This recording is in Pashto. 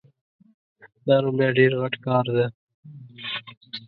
دا نو بیا ډېر غټ کار ده